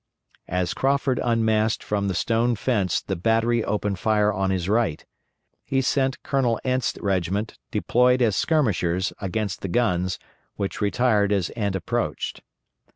_ As Crawford unmasked from the stone fence the battery opened fire on his right. He sent Colonel Ent's regiment, deployed as skirmishers, against the guns, which retired as Ent approached.